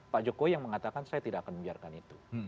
pak jokowi yang mengatakan saya tidak akan membiarkan itu